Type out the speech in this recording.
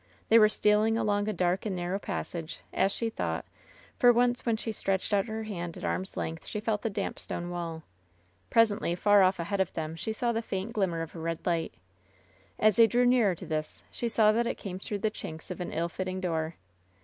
They were steid ing along a dark and narrow passage, as she thought; for once when she stretched out her hand at arm's length she felt the damp stone walL Presently, far oflF ahead of them, she saw the faint LOVE'S BITTEREST CUP 276 glimmer of a red light As they drew nearer to this, she saw that it came through the chinks of an ill fitting door.